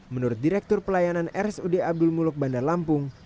menurut direktur pelayanan rsud abdul muluk bandar lampung